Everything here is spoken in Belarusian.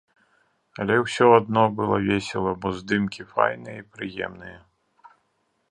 Але ўсё адно было весела, бо здымкі файныя і прыемныя.